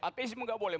ateismu nggak boleh